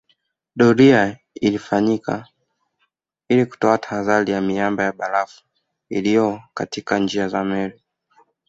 Doria ilifanyika ili kutoa tahadhari ya miamba ya barafu iliyo katika njia za meli